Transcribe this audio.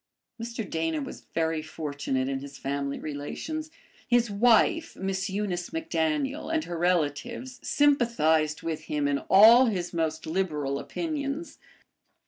Mr. Dana was very fortunate in his family relations. His wife, Miss Eunice MacDaniel, and her relatives sympathized with him in all his most liberal opinions.